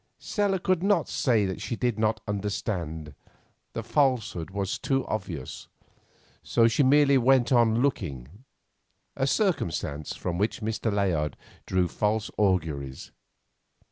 Stella could not say that she did not understand, the falsehood was too obvious. So she merely went on looking, a circumstance from which Mr. Layard drew false auguries.